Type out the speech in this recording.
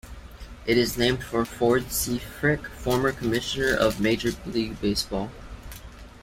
It is named for Ford C. Frick, former Commissioner of Major League Baseball.